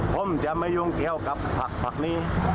ผมจะไม่ยุ่งเกี่ยวกับผักนี้